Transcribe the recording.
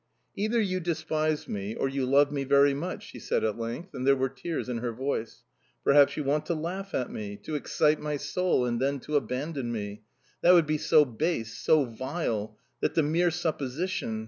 "Either you despise me, or you love me very much!" she said at length, and there were tears in her voice. "Perhaps you want to laugh at me, to excite my soul and then to abandon me... That would be so base, so vile, that the mere supposition...